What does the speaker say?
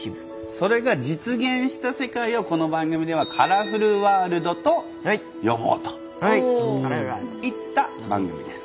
それが実現した世界をこの番組では「カラフルワールド」と呼ぼうといった番組です。